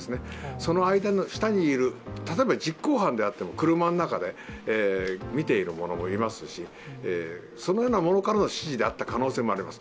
その間の下にいる例えば実行犯であっても車の中で見ている者もいますしそのような者からの指示であった可能性もあります。